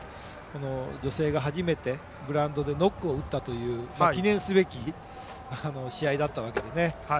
女性が初めてグラウンドでノックを打ったという記念すべき試合だったわけでね。